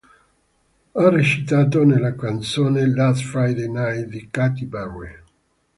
Ha recitato nella canzone Last Friday Night di Katy Perry.